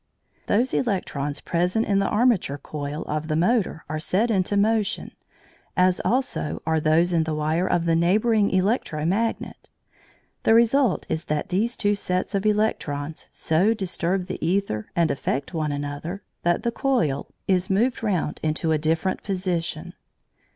Those electrons present in the armature coil of the motor are set into motion, as also are those in the wire of the neighbouring electro magnet. The result is that these two sets of electrons so disturb the æther and affect one another that the coil is moved round into a different position.